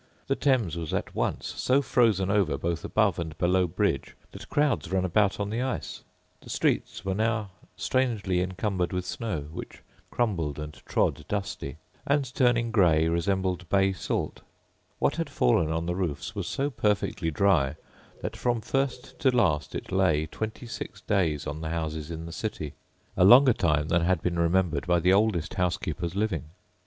The Thames was at once so frozen over both above and below bridge that crowds ran about on the ice. The streets were now strangely incumbered with snow, which crumbled and trod dusty; and, turning grey, resembled bay salt; what had fallen on the roofs was so perfectly dry that, from first to last, it lay twenty six days on the houses in the city; a longer time than had been remembered by the oldest housekeepers living.